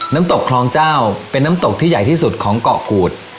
น้ำตกคลองเจ้าเป็นน้ำตกที่ใหญ่ที่สุดของเกาะกูด